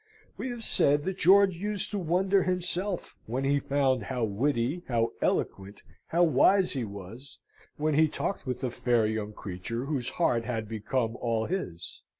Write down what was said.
We have said that George used to wonder himself when he found how witty, how eloquent, how wise he was, when he talked with the fair young creature whose heart had become all his....